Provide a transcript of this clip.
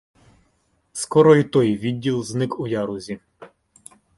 Скоро і той відділ зник у ярузі.